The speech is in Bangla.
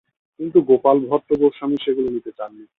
কিন্তু গোপাল ভট্ট গোস্বামী সেগুলি নিতে চাননি।